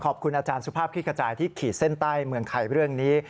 ขอบคุณอาจารย์สุภาพคลิกระจายที่ขีดเส้นใต้เมืองไทยเรื่องนี้